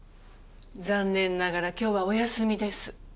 残念ながら今日はお休みです。